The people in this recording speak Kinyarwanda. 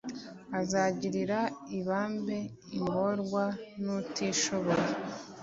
Azagirira ibambe ingorwa n’utishoboye